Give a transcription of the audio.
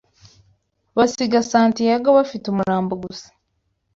basiga Santiago bafite umurambo gusa